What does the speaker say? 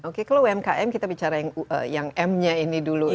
oke kalau umkm kita bicara yang m nya ini dulu